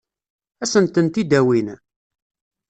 Ad sent-tent-id-awin?